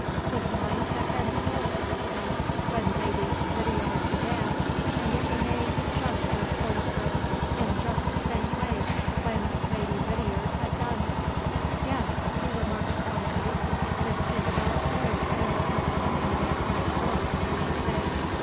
His mind had been full of Isabel when Lady Lydiard began, and it remained just as full of her, in just the same way, when Lady Lydiard had done. "Yes," he remarked quietly, "Miss Isabel is an uncommonly nice girl, as you say.